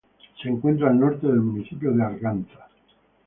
Se encuentra al norte del municipio de Arganza.